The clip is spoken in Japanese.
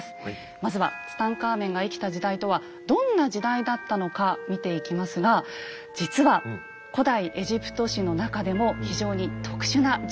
まずはツタンカーメンが生きた時代とはどんな時代だったのか見ていきますが実は古代エジプト史の中でも非常に特殊な時代だったんです。